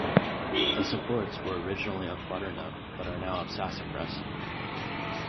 The supports were originally of butternut, but are now of sassafras.